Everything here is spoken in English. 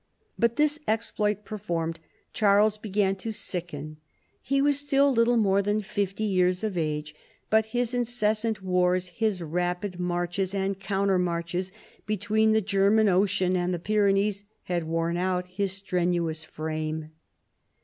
But, this exploit performed, Charles began to sicken. He was still little more than fifty years of age, but his incessant wars his rapid marches and counter marches between the German Ocean and the P3'renees had worn out his strenuous frame.